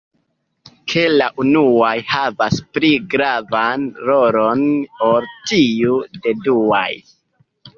Ke la unuaj havas pli gravan rolon ol tiu de duaj?